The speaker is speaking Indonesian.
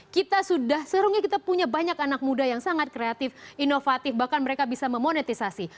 kita sudah serunya kita punya banyak anak muda yang sangat kreatif inovatif bahkan mereka bisa memonetisasi